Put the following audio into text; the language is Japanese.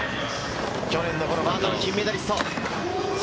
去年のバートの金メダリスト。